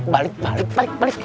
balik balik balik balik